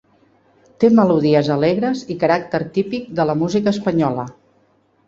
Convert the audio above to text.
Té melodies alegres i caràcter típic de la música espanyola.